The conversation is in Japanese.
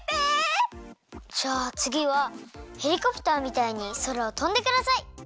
じゃあつぎはヘリコプターみたいにそらをとんでください！